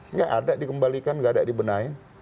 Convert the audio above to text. nggak ada dikembalikan nggak ada dibenahin